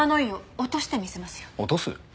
落とす？